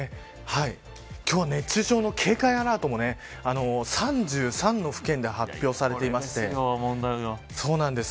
今日は熱中症の警戒アラートも３３の府県で発表されています。